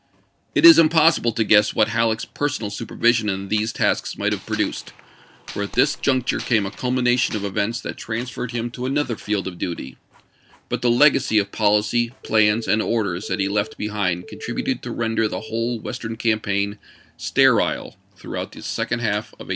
It is impossible to guess what Halleck's personal supervision in these tasks might have produced, for at this juncture came a culmination of events that transferred him to another field of duty ; but the legacy of policy, plans, and orders that he left behind contributed to render the whole Western campaign sterile thi'oughout the second half of 1862.